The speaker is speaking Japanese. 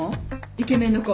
イケメンの子。